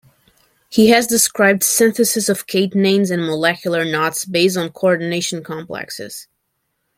He has described syntheses of catenanes and molecular knots based on coordination complexes.